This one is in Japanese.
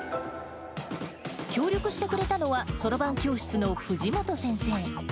協力してくれたのは、そろばん教室の藤本先生。